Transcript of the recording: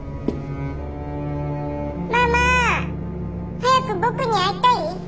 「ママ早く僕に会いたい？」。